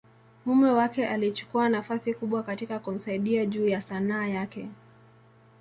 mume wake alichukua nafasi kubwa katika kumsaidia juu ya Sanaa yake.